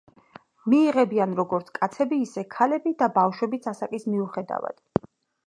მიიღებიან როგორც კაცები, ისე ქალები და ბავშვებიც ასაკის მიუხედავად.